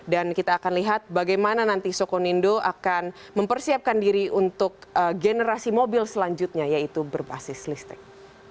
dan kita akan lihat bagaimana nanti sokonindo akan mempersiapkan diri untuk generasi mobil selanjutnya yaitu berbasis listrik